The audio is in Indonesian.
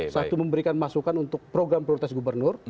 satu memberikan masukan untuk program prioritas gubernur